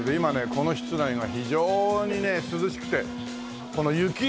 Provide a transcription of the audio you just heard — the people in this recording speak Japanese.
この室内は非常にね涼しくてこの雪。